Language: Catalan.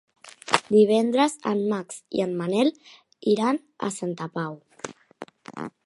Divendres en Max i en Manel iran a Santa Pau.